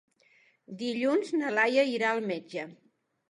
Dilluns na Laia irà al metge.